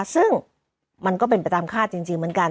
ซึ่งมันก็เป็นไปตามคาดจริงเหมือนกัน